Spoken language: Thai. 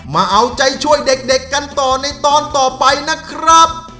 มาเอาใจช่วยเด็กกันต่อในตอนต่อไปนะครับ